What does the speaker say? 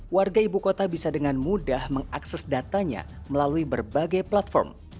warga ibu kota bisa dengan mudah mengakses datanya melalui berbagai platform